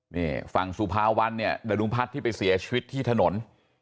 นี่ฝั่งสุภาวันเนี่ยดรุงพัฒน์ที่ไปเสียชีวิตที่ถนน